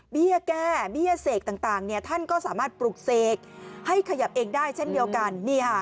แก้เบี้ยเสกต่างท่านก็สามารถปลุกเสกให้ขยับเองได้เช่นเดียวกัน